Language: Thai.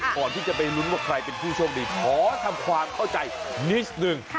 ก่อนที่จะไปลุ้นว่าใครเป็นผู้โชคดีขอทำความเข้าใจนิดหนึ่ง